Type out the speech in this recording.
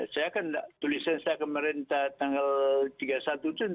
saya kan tulisan saya pemerintah tanggal tiga puluh satu itu